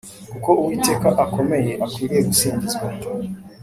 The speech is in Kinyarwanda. Kuko Uwiteka akomeye akwiriye gusingizwa